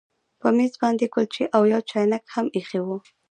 په میز باندې کلچې او یو چاینک هم ایښي وو